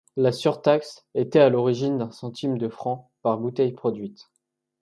La surtaxe était à l'origine d'un centime de francs par bouteille produite.